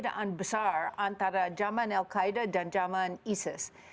perbedaan besar antara zaman al qaeda dan zaman isis